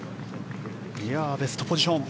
ベストポジション！